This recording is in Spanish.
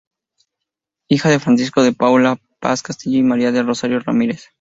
Hija de Francisco de Paula Paz Castillo y María del Rosario Ramírez.